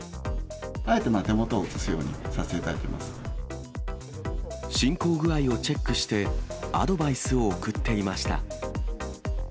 あえて手元を映すように撮影進行具合をチェックして、アドバイスを送っていました。